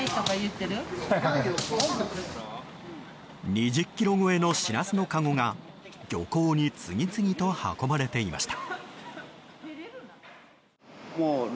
２０ｋｇ超えのシラスのかごが漁港に次々と運ばれていました。